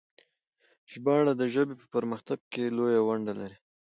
ژباړه د ژبې په پرمختګ کې لويه ونډه لري.